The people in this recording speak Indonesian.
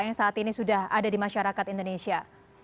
yang saat ini sudah ada di masyarakat indonesia